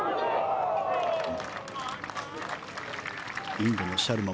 インドのシャルマ。